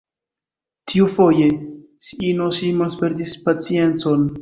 Tiufoje, S-ino Simons perdis paciencon.